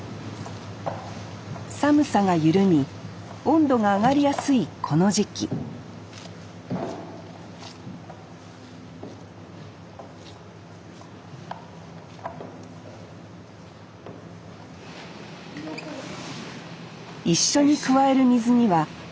寒さが緩み温度が上がりやすいこの時期一緒に加える水には氷をまぜました